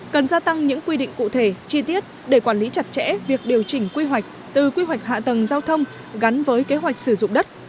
cần gia tăng những quy định cụ thể chi tiết để quản lý chặt chẽ việc điều chỉnh quy hoạch từ quy hoạch hạ tầng giao thông gắn với kế hoạch sử dụng đất